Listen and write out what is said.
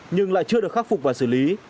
nhưng lại chưa được khắc phục và xử lý